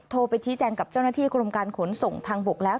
ไปชี้แจงกับเจ้าหน้าที่กรมการขนส่งทางบกแล้ว